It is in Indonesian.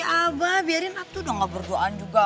abah biarin ab tuh udah gak berduaan juga